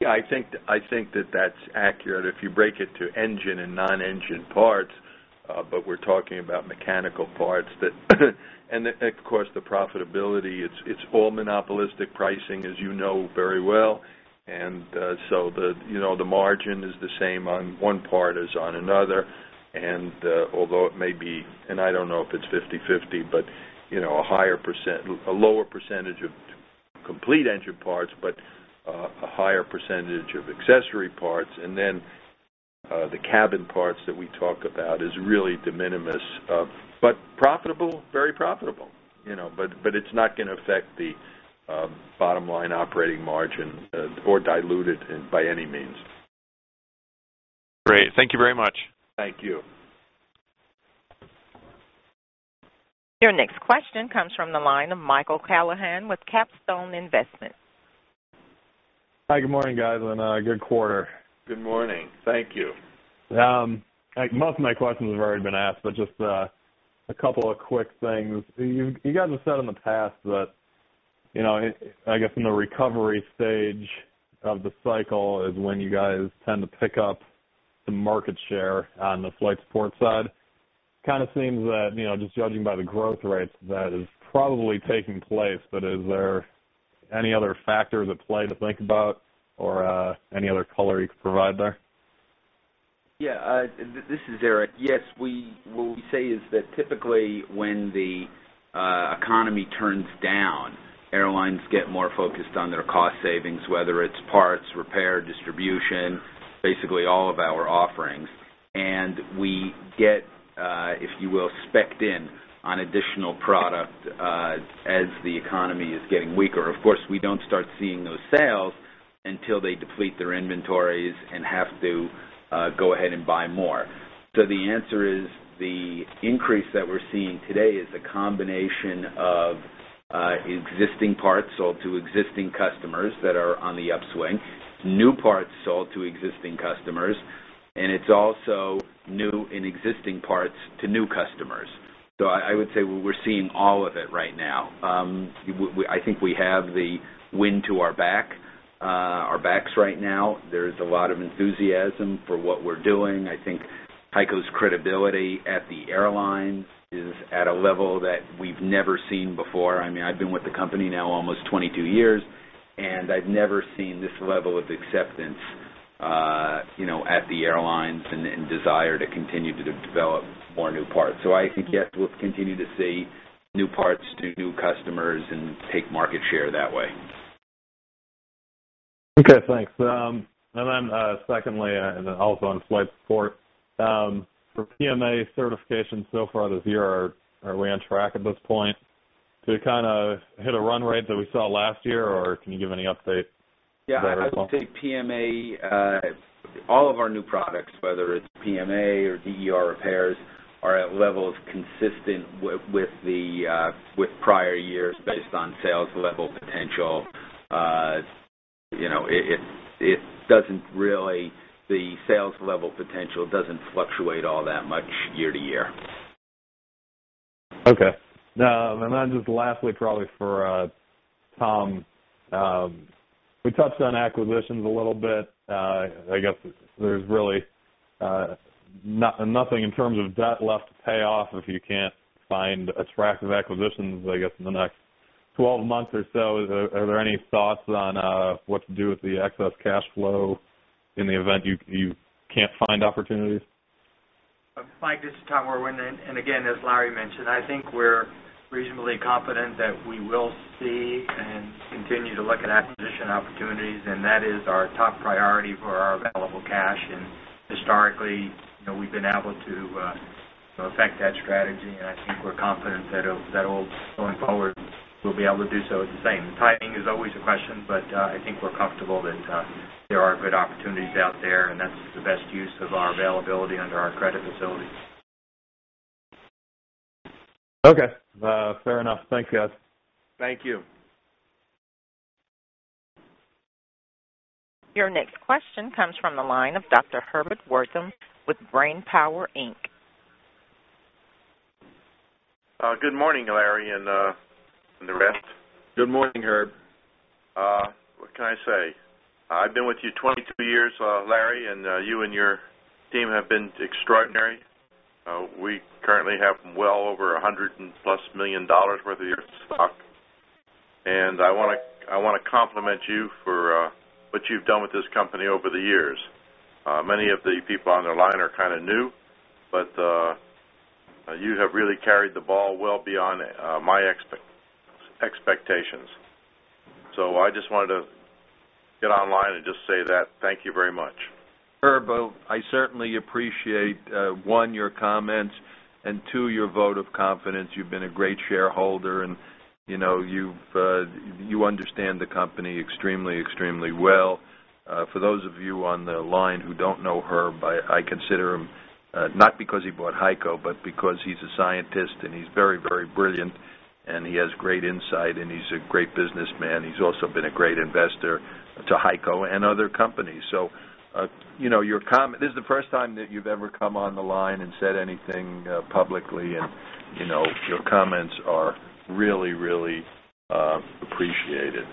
Yeah, I think that that's accurate. If you break it to engine and non-engine parts, we're talking about mechanical parts that, and of course, the profitability, it's all monopolistic pricing, as you know very well, so the margin is the same on one part as on another. Although it may be, and I don't know if it's 50/50, but a higher percent, a lower percentage of complete engine parts, but a higher percentage of accessory parts, and then the cabin parts that we talk about is really de minimis, but profitable, very profitable, you know, but it's not going to affect the bottom line operating margin or dilute it by any means. Great. Thank you very much. Thank you. Your next question comes from the line of Michael Callahan with Capstone Investment. Hi. Good morning, guys, and good quarter. Good morning. Thank you. Most of my questions have already been asked, but just a couple of quick things. You guys have said in the past that, you know, I guess in the recovery stage of the cycle is when you guys tend to pick up some market share on the Flight Support side. It kind of seems that, you know, just judging by the growth rates, that is probably taking place, but is there any other factors at play to think about or any other color you could provide there? Yeah. This is Eric. Yes, what we say is that typically when the economy turns down, airlines get more focused on their cost savings, whether it's parts, repair, distribution, basically all of our offerings, and we get, if you will, specked in on additional product as the economy is getting weaker. Of course, we don't start seeing those sales until they deplete their inventories and have to go ahead and buy more. The answer is the increase that we're seeing today is a combination of existing parts sold to existing customers that are on the upswing, new parts sold to existing customers, and it's also new and existing parts to new customers. I would say we're seeing all of it right now. I think we have the wind to our backs right now. There's a lot of enthusiasm for what we're doing. I think HEICO's credibility at the airlines is at a level that we've never seen before. I mean, I've been with the company now almost 22 years, and I've never seen this level of acceptance, you know, at the airlines and desire to continue to develop more new parts. I think yet we'll continue to see new parts to new customers and take market share that way. Okay. Thanks. Secondly, also on Flight Support, for PMA certification so far this year, are we on track at this point? Did it kind of hit a run rate that we saw last year, or can you give any update? Yeah, I think PMA, all of our new products, whether it's PMA or DER repairs, are at levels consistent with prior years based on sales level potential. It doesn't really, the sales level potential doesn't fluctuate all that much year to year. Okay. Lastly, probably for Tom, we touched on acquisitions a little bit. I guess there's really nothing in terms of debt left to pay off if you can't find attractive acquisitions, I guess, in the next 12 months or so. Are there any thoughts on what to do with the excess cash flow in the event you can't find opportunities? My guess, Tom, and again, as Larry mentioned, I think we're reasonably confident that we will see and continue to look at acquisition opportunities, and that is our top priority for our available cash. Historically, we've been able to affect that strategy, and I think we're confident that that holds going forward. We'll be able to do so at the same. The timing is always a question, but I think we're comfortable that there are good opportunities out there, and that's the best use of our availability under our credit facility. Okay. Fair enough. Thanks, guys. Thank you. Your next question comes from the line of Herbert with BrainPower, Inc. Good morning, Laurans, and the rest. Good morning, Herbert. What can I say? I've been with you 22 years, Larry, and you and your team have been extraordinary. We currently have well over $100 million worth of your stock, and I want to compliment you for what you've done with this company over the years. Many of the people on the line are kind of new, but you have really carried the ball well beyond my expectations. I just wanted to get online and just say that thank you very much. Herb, I certainly appreciate, one, your comments, and two, your vote of confidence. You've been a great shareholder, and you understand the company extremely, extremely well. For those of you on the line who don't know Herb, I consider him not because he bought HEICO, but because he's a scientist, and he's very, very brilliant, and he has great insight, and he's a great businessman. He's also been a great investor to HEICO and other companies. Your comment, this is the first time that you've ever come on the line and said anything publicly, and your comments are really, really appreciated.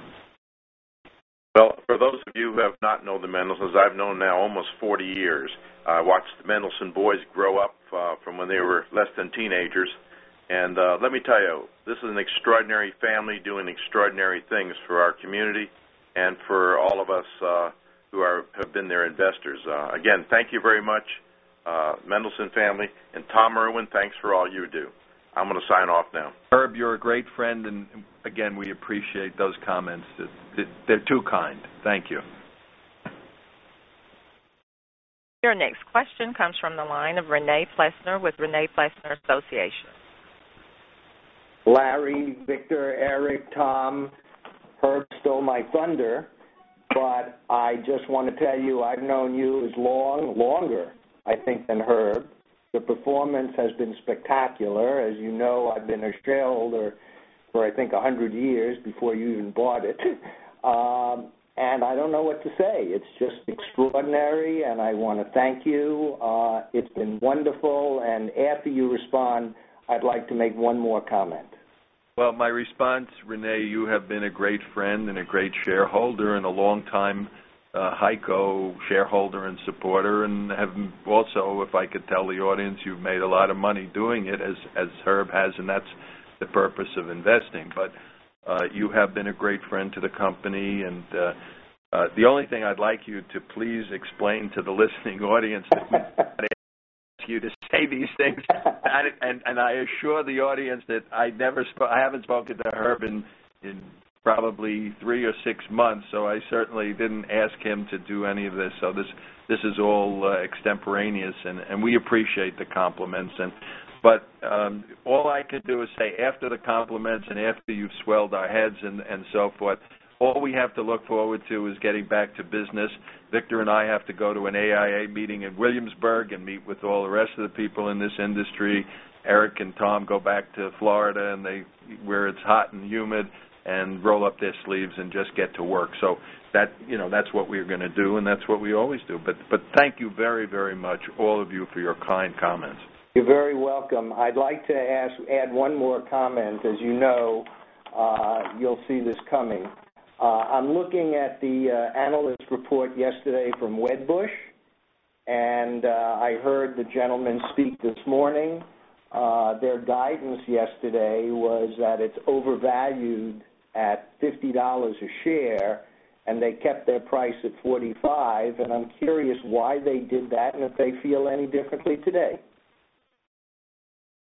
For those of you who have not known the Mendelsons, I've known now almost 40 years. I watched the Mendelson boys grow up from when they were less than teenagers, and let me tell you, this is an extraordinary family doing extraordinary things for our community and for all of us who have been their investors. Again, thank you very much, Mendelson family, and Tom Irwin, thanks for all you do. I'm going to sign off now. Herb, you're a great friend, and again, we appreciate those comments. They're too kind. Thank you. Your next question comes from the line of Rene Plessnerr with Rene Plessnerr Association. Larry, Victor, Eric, Tom, Herb stole my thunder, but I just want to tell you, I've known you as long, longer, I think, than Herb. Your performance has been spectacular. As you know, I've been a shareholder for, I think, 100 years before you even bought it, and I don't know what to say. It's just extraordinary, and I want to thank you. It's been wonderful, and after you respond, I'd like to make one more comment. Rene, you have been a great friend and a great shareholder and a long-time HEICO shareholder and supporter, and have also, if I could tell the audience, you've made a lot of money doing it, as Herb has, and that's the purpose of investing. You have been a great friend to the company, and the only thing I'd like you to please explain to the listening audience is that I ask you to say these things, and I assure the audience that I never spoke, I haven't spoken to Herb in probably three or six months, so I certainly didn't ask him to do any of this. This is all extemporaneous, and we appreciate the compliments. All I could do is say after the compliments and after you've swelled our heads and so forth, all we have to look forward to is getting back to business. Victor and I have to go to an AIA meeting in Williamsburg and meet with all the rest of the people in this industry. Eric and Tom go back to Florida where it's hot and humid and roll up their sleeves and just get to work. That's what we're going to do, and that's what we always do. Thank you very, very much, all of you, for your kind comments. You're very welcome. I'd like to add one more comment. As you know, you'll see this coming. I'm looking at the analyst report yesterday from Wedbush, and I heard the gentleman speak this morning. Their guidance yesterday was that it's overvalued at $50 a share, and they kept their price at $45. I'm curious why they did that and if they feel any differently today.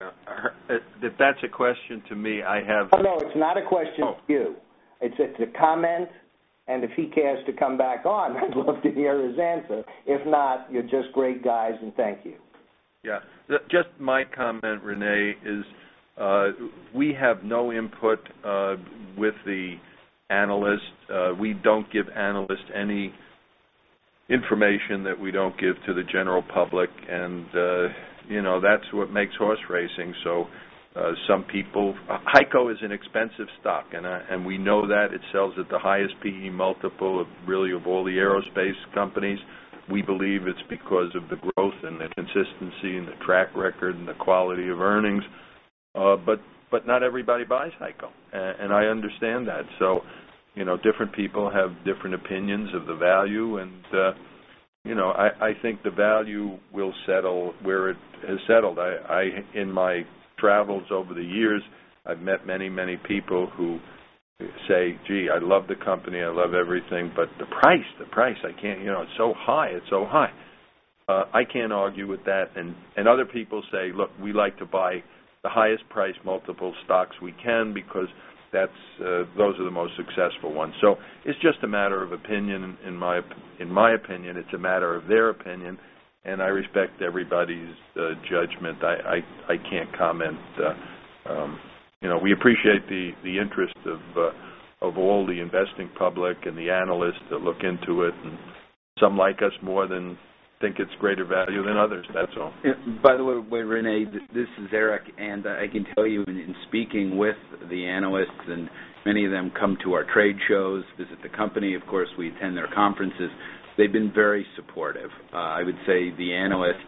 That's a question to me. No, it's not a question to you. It's a comment, and if he cares to come back on, I'd love to hear his answer. If not, you're just great guys, and thank you. Yeah. Just my comment, Rene, is we have no input with the analyst. We don't give analysts any information that we don't give to the general public, and you know, that's what makes horse racing. Some people, HEICO is an expensive stock, and we know that. It sells at the highest PE multiple of really all the aerospace companies. We believe it's because of the growth and the consistency and the track record and the quality of earnings, but not everybody buys HEICO, and I understand that. Different people have different opinions of the value, and you know, I think the value will settle where it has settled. In my travels over the years, I've met many, many people who say, "Gee, I love the company. I love everything, but the price, the price, I can't, you know, it's so high. It's so high." I can't argue with that, and other people say, "Look, we like to buy the highest price multiple stocks we can because those are the most successful ones." It's just a matter of opinion. In my opinion, it's a matter of their opinion, and I respect everybody's judgment. I can't comment. You know, we appreciate the interest of all the investing public and the analysts that look into it, and some like us more than think it's greater value than others. That's all. By the way, Rene, this is Eric, and I can tell you, in speaking with the analysts, and many of them come to our trade shows, visit the company. Of course, we attend their conferences. They've been very supportive. I would say the analysts,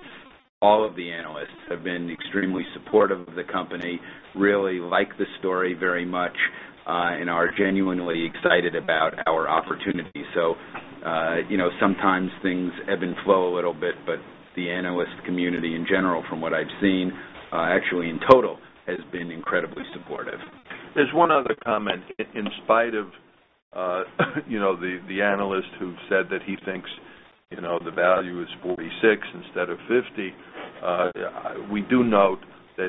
all of the analysts, have been extremely supportive of the company, really like the story very much, and are genuinely excited about our opportunity. Sometimes things ebb and flow a little bit, but the analyst community in general, from what I've seen, actually in total, has been incredibly supportive. There's one other comment. In spite of the analyst who said that he thinks the value is $46 instead of $50, we do note that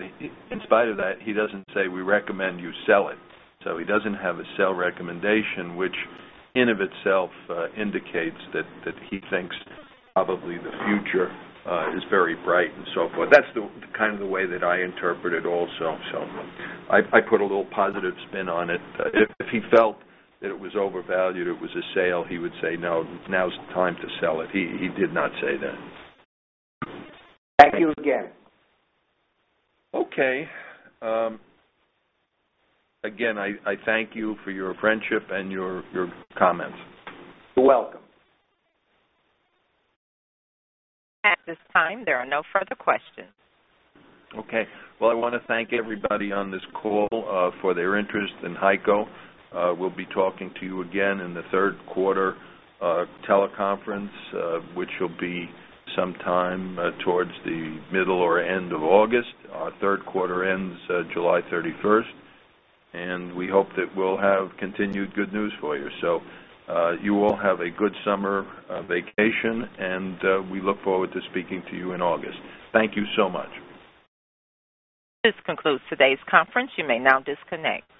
in spite of that, he doesn't say, "We recommend you sell it." He doesn't have a sell recommendation, which in and of itself indicates that he thinks probably the future is very bright and so forth. That's kind of the way that I interpret it also. I put a little positive spin on it. If he felt that it was overvalued, it was a sale, he would say, "No, now's the time to sell it." He did not say that. Thank you again. Okay, I thank you for your friendship and your comments. You're welcome. At this time, there are no further questions. I want to thank everybody on this call for their interest in HEICO. We'll be talking to you again in the third quarter teleconference, which will be sometime towards the middle or end of August. Our third quarter ends July 31, and we hope that we'll have continued good news for you. You all have a good summer vacation, and we look forward to speaking to you in August. Thank you so much. This concludes today's conference. You may now disconnect.